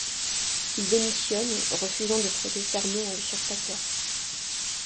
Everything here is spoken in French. Il démissionne, refusant de prêter serment à l'usurpateur.